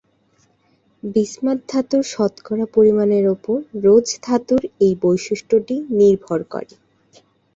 Bismuth ধাতুর শতকরা পরিমাণের উপর রোজ ধাতুর এই বৈশিষ্ট্যটি নির্ভর করে।